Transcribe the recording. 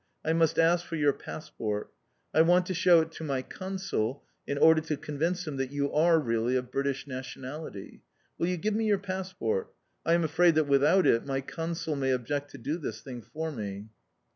"I must ask for your passport. I want to shew it to my Consul, in order to convince him that you are really of British nationality. Will you give me your passport? I am afraid that without it my Consul may object to do this thing for me."